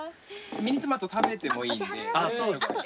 ミニトマト食べてもいいんで。